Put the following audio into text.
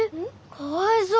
かわいそう。